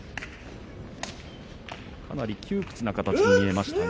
かなり窮屈な形に見えましたが。